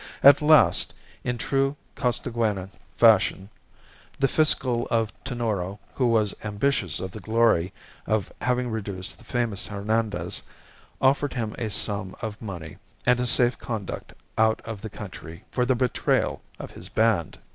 At last, in true Costaguana fashion, the Fiscal of Tonoro, who was ambitious of the glory of having reduced the famous Hernandez, offered him a sum of money and a safe conduct out of the country for the betrayal of his band.